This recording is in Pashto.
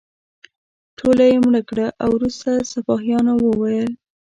ټوله یې مړه کړه او وروسته سپاهیانو وویل.